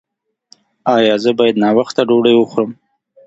ایا زه باید ناوخته ډوډۍ وخورم؟